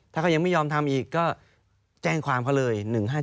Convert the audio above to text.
ถ้าเขายังไม่ยอมทำอีกก็แจ้งความเขาเลย๑๕๗